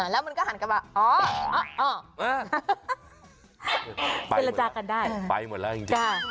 แล้วมันก็หันกันบ้างอ๋ออ๋ออ๋อ